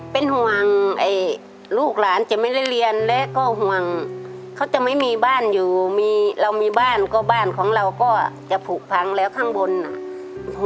เป็นห่วงลูกหลานจะไม่ได้เรียนและก็ห่วงเขาจะไม่มีบ้านอยู่มีเรามีบ้านก็บ้านของเราก็จะผูกพังแล้วข้างบนอ่ะ